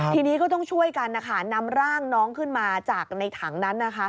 ทีนี้ก็ต้องช่วยกันนะคะนำร่างน้องขึ้นมาจากในถังนั้น